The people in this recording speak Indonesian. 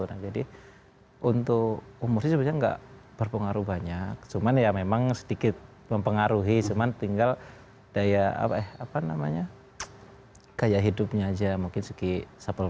nah jadi untuk umur sih sebenarnya nggak berpengaruh banyak cuman ya memang sedikit mempengaruhi cuman tinggal daya apa namanya gaya hidupnya aja mungkin segi suple